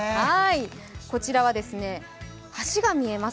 こちらは橋が見えます。